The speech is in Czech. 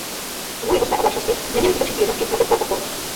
Kvůli husté oblačnosti neměli útočící jednotky leteckou podporu.